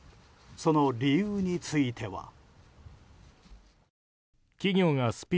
その理由については。